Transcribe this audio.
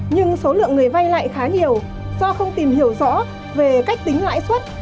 nhưng số lượng người vay lại khá nhiều do không tìm hiểu rõ về cách tính lãi suất